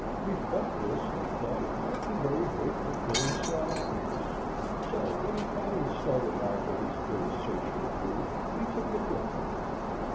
He felt this and thought it might be very good for killing small animals, so when he finally started out for his day's search for food, he took it with him.